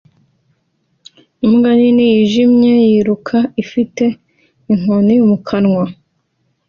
Imbwa nini yijimye yiruka ifite inkoni mu kanwa